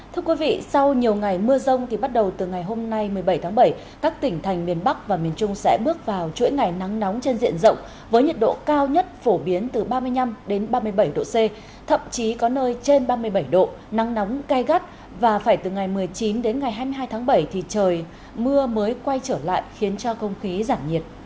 thưa quý vị sau nhiều ngày mưa rông thì bắt đầu từ ngày hôm nay một mươi bảy tháng bảy các tỉnh thành miền bắc và miền trung sẽ bước vào chuỗi ngày nắng nóng trên diện rộng với nhiệt độ cao nhất phổ biến từ ba mươi năm đến ba mươi bảy độ c thậm chí có nơi trên ba mươi bảy độ nắng nóng cay gắt và phải từ ngày một mươi chín đến ngày hai mươi hai tháng bảy thì trời mưa mới quay trở lại khiến cho không khí giảm nhiệt